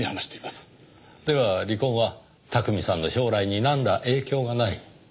では離婚は巧さんの将来になんら影響がない。